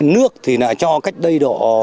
nước thì là cho cách đây